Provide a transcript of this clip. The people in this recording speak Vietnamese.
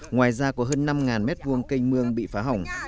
ngoài ra có hơn năm mét vuông cây mương bị phá hỏng